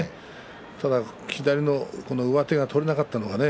ただ左の上手が取れなかったのがね